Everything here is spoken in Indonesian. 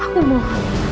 tolong lupakan masalah ini